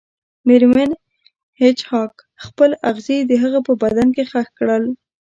میرمن هیج هاګ خپل اغزي د هغه په بدن کې ښخ کړل